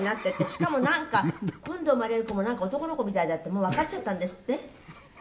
しかもなんか今度生まれる子も男の子みたいだってもうわかっちゃったんですって？」